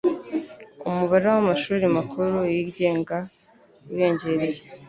Umubare w'amashuri makuru yigenga wiyongereye.